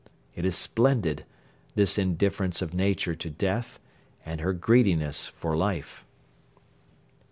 It is splendid, this indifference of Nature to death, and her greediness for life!